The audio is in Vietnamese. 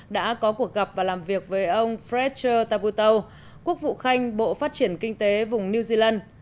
đã có cuộc gặp và làm việc với ông fredcher tabuto quốc vụ khanh bộ phát triển kinh tế vùng new zealand